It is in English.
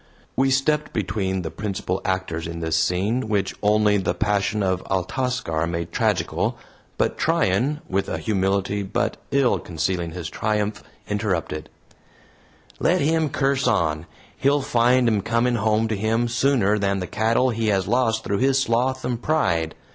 We stepped between the principal actors in this scene, which only the passion of Altascar made tragical, but Tryan, with a humility but ill concealing his triumph, interrupted: "Let him curse on. He'll find 'em coming home to him sooner than the cattle he has lost through his sloth and pride.